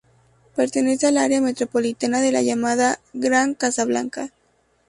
Pertenece al área metropolitana de la llamada "Gran Casablanca".